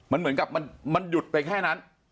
มันเหมือนกับมันหยุดไปแค่นั้น